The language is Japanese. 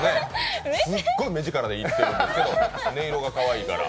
すっごい目力でいくけど音色がかわいいから。